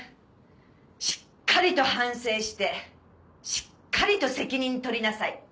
しっかりと反省してしっかりと責任取りなさい。